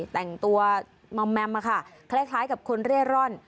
แต่งตัวมอมแมมคล้ายกับคนเร่ร่อน